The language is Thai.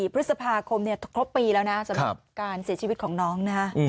พฤษภาคมครบปีแล้วนะสำหรับการเสียชีวิตของน้องนะฮะ